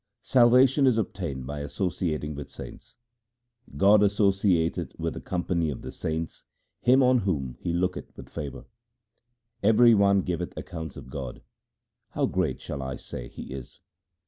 Salvation is obtained by associating with saints ; God associateth with the company of the saints him on whom He looketh with favour. 2 Every one giveth accounts of God ; how great shall I say He is?